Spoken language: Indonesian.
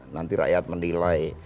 nanti rakyat menilai